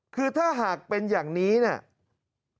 คือถ้าหากเป็นอย่างนี้เนี่ย